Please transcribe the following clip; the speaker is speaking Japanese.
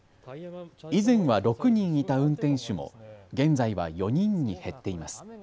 以前は６人いた運転手も現在は４人に減っています。